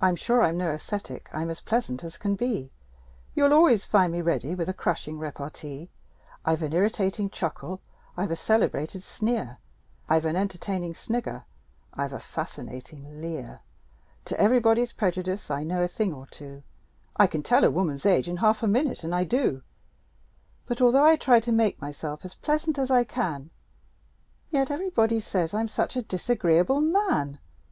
I'm sure I'm no ascetic: I'm as pleasant as can be; You'll always find me ready with a crushing repartee; I've an irritating chuckle; I've a celebrated sneer; I've an entertaining snigger; I've a fascinating leer; To everybody's prejudice I know a thing or two; I can tell a woman's age in half a minute and I do But although I try to make myself as pleasant as I can, Yet everybody says I'm such a disagreeable man!